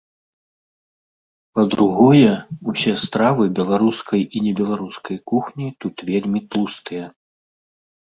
Па-другое, усе стравы беларускай і небеларускай кухні тут вельмі тлустыя.